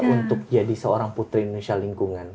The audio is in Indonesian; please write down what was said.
untuk jadi seorang putri indonesia lingkungan